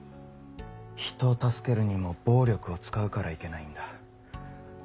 人を助けるにも暴力を使うからいけないんだ。